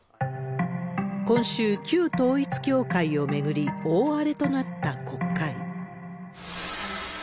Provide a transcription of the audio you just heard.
今週、旧統一教会を巡り、大荒れとなった国会。